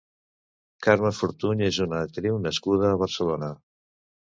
Carme Fortuny és una actriu nascuda a Barcelona.